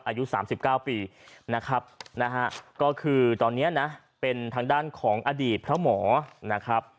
อายุ๓๙ปีนะครับนะฮะก็คือตอนนี้นะเป็นทางด้านของอดีตพระหมอนะครับ